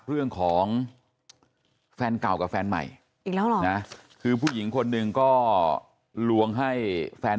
เรื่องของแฟนเก่ากับแฟนใหม่อีกแล้วเหรอนะคือผู้หญิงคนหนึ่งก็ลวงให้แฟน